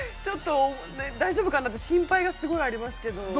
ちょっと大丈夫かなって心配がすごいありますけど。